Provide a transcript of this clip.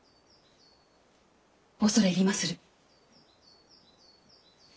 恐れ入りまする。